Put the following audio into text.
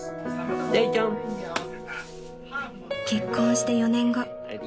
［結婚して４年後］